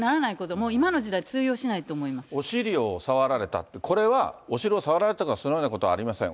もう今の時代、通用しないと思いお尻を触られた、これはお尻を触られたとか、そのようなことはありません。